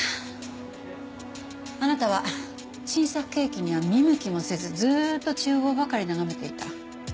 あなたは新作ケーキには見向きもせずずーっと厨房ばかり眺めていた。